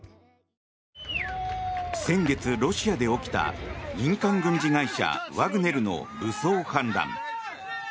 先月、ロシアで起きた民間軍事会社ワグネルの武装反乱。